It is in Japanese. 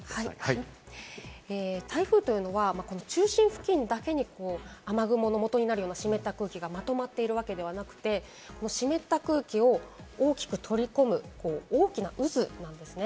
台風というのは中心付近だけに、雨雲のもとになるような湿った空気がまとまっているわけではなくて、湿った空気を大きく取り込む、大きな渦なんですね。